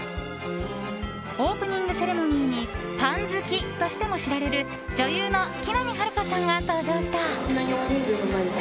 オープニングセレモニーにパン好きとしても知られる女優の木南晴夏さんが登場した。